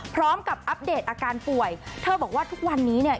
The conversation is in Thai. อัปเดตอาการป่วยเธอบอกว่าทุกวันนี้เนี่ย